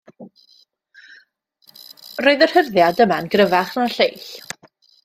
Roedd yr hyrddiad yma yn gryfach na'r lleill.